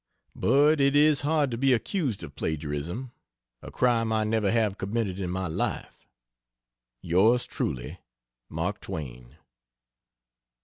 But it is hard to be accused of plagiarism a crime I never have committed in my life. Yrs. Truly MARK TWAIN.